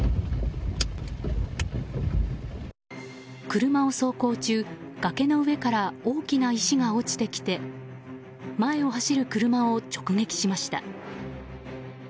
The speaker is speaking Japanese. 車を走行中、崖の上から大きな石が落ちてきて前を走る車を直撃しました。